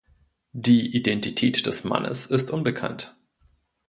Die Identität des Mannes ist unbekannt.